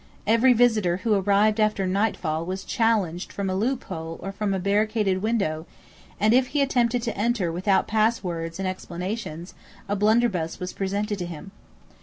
Every visitor who arrived after nightfall was challenged from a loophole or from a barricaded window; and, if he attempted to enter without pass words and explanations, a blunderbuss was presented to him.